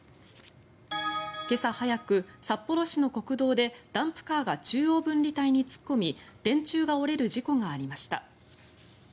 今朝早く札幌市の国道でダンプカーが中央分離帯に突っ込み電柱が折れる事故がありました。